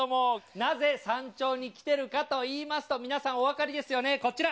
なぜ山頂に来てるかといいますと、皆さんお分かりですよね、こちら。